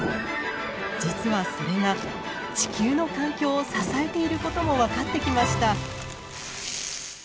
実はそれが地球の環境を支えていることも分かってきました。